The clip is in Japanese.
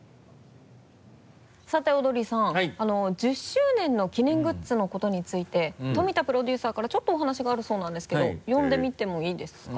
１０周年の記念グッズのことについて富田プロデューサーからちょっとお話があるそうなんですけど呼んでみてもいいですか？